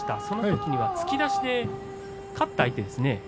そのときには突き出しで勝った相手ですね。